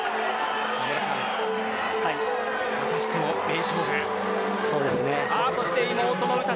またしても名勝負でした。